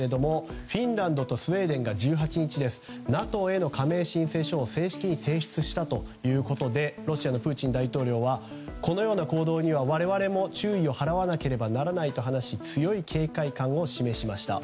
フィンランドとスウェーデンが１８日ＮＡＴＯへの加盟申請書を正式に提出したということでロシアのプーチン大統領はこのような行動には我々も注意を払わなければならないと話し強い警戒感を示しました。